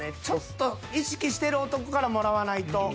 ちょっと意識してる男からもらわないと。